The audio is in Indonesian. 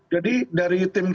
jadi dari tim ksp